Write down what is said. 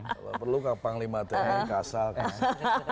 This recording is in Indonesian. kalau perlu ke panglima itu ya kasar kan